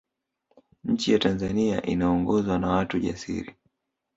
nchi ya tanzani inaongozwa na watu jasiri